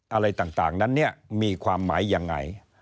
อะไรต่างนั้นเนี่ยมีความหมายยังไง